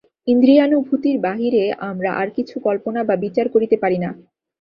ইন্দ্রিয়ানুভূতির বাহিরে আমরা আর কিছু কল্পনা বা বিচার করিতে পারি না।